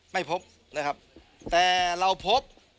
ไม่พบนะครับแต่เราพบ